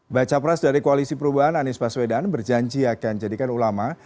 baca pres dari koalisi perubahan anies baswedan berjanji akan jadikan ulama